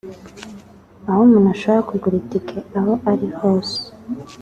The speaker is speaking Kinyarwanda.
aho umuntu ashobora kugura itike aho ari hose